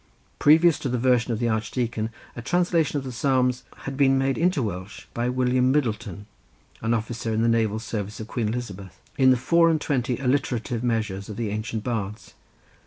Previous to the version of the Archdeacon a translation of the Psalms had been made into Welsh by William Middleton, an officer in the naval service of Queen Elizabeth, in the four and twenty alliterative measures of the ancient bards.